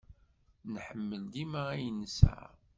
Nḥemmel dima ayen nesεa.